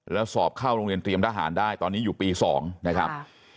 แล้วสอบเข้าโรงเรียนเตรียมทหารได้ตอนนี้อยู่ปี๒นะครับ